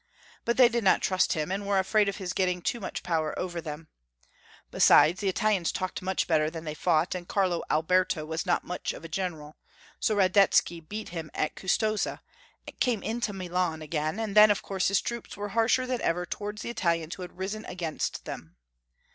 But they did not trust him, and were afraid of his getting too much power over them. Besides, the Italians talked much better than they fought, and Carlo Alberto was not much of a general, so 462 Interregnum. 463 Radetsky beat him at Custoza, came into Milan again, and then of course his troops were harsher than ever towards the Italians who had risen against them.